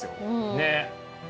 ねっ。